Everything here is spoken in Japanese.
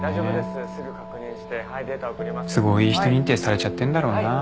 都合いい人認定されちゃってんだろうな。